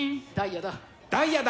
ダイヤだ。